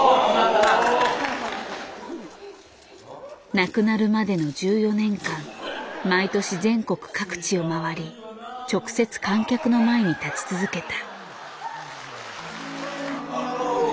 亡くなるまでの１４年間毎年全国各地を回り直接観客の前に立ち続けた。